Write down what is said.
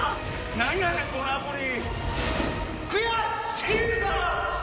何やねんこのアプリ。